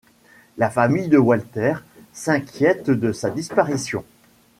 La famille de Walter s’inquiète de sa disparition.